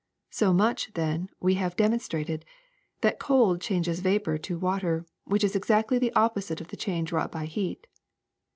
So much, then, we have demon strated, that cold changes vapor to water; which is exactly the opposite of the change wrought by heat.